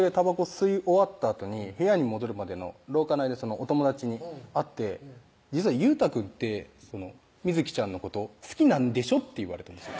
吸い終わったあとに部屋に戻るまでの廊下の間にお友達に会って「優太くんって美津希ちゃんのこと好きなんでしょ」って言われたんですよ